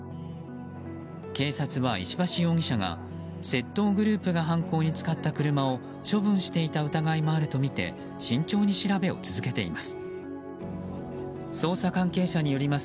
警察は石橋容疑者が窃盗グループが犯行に使った車を処分していた疑いもあるとみて慎重に調べを続けています。